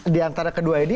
di antara kedua ini